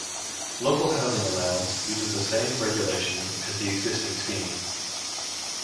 Local Housing Allowance uses the same regulations as the existing scheme.